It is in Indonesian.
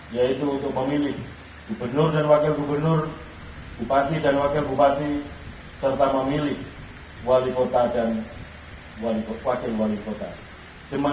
yaitu untuk memilih gubernur dan wakil gubernur bupati dan wakil bupati serta memilih wali kota dan wakil wali kota